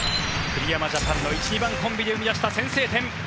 栗山ジャパンの１、２番コンビで生み出した先制点。